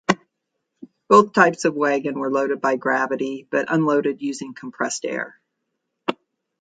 Both types of wagon were loaded by gravity but unloaded using compressed air.